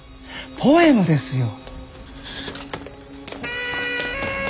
ポエムですよ。